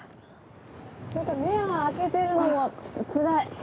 本当目を開けてるのもつらい。